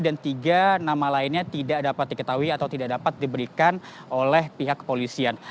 dan tiga nama lainnya tidak dapat diketahui atau tidak dapat diberikan oleh pihak kepolisian